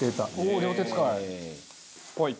おお両手使い！